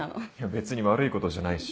別に悪いことじゃないっしょ。